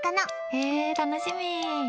へえ、楽しみ。